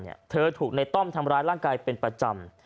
ตลอดเวลาที่อยู่ด้วยกันเธอถูกในต้อมทำร้ายร่างกายเป็นประจำ